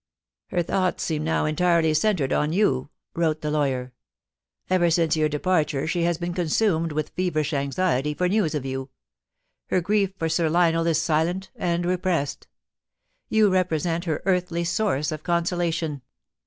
* Her thoughts seem now entirely centred on you,' wrote the lawyer. * Ever since your departure she has been con sumed with feverish anxiety for news of you. Her grief for Sir Lionel is silent and repressed. You represent her earthly source of consolation.